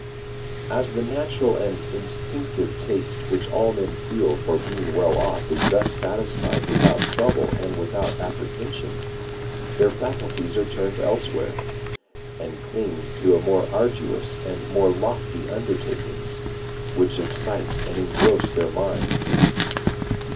As the natural and instinctive taste which all men feel for being well off is thus satisfied without trouble and without apprehension, their faculties are turned elsewhere, and cling to more arduous and more lofty undertakings, which excite and engross their minds.